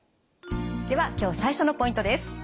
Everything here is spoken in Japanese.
では今日最初のポイントです。